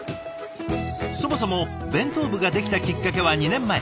そもそも弁当部ができたきっかけは２年前。